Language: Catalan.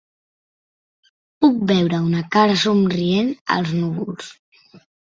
Puc veure una cara somrient als núvols.